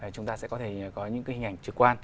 chúng ta sẽ có thể có những hình ảnh trực quan